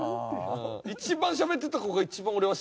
一番しゃべってた子が一番俺は知らんかった。